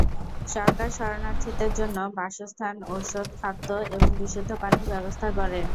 সরকার শরণার্থীদের জন্য বাসস্থান, ঔষধ, খাদ্য এবং বিশুদ্ধ পানির ব্যবস্থা করে।